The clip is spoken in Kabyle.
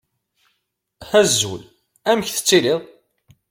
Azul, amek tettiliḍ?